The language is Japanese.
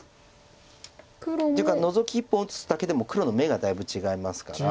っていうかノゾキ１本打つだけでも黒の眼がだいぶ違いますから。